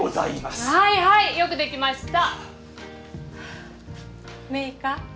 はいはいよくできました明花